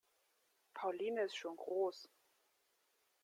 Pauline ist schon groß.